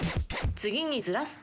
次にずらすと？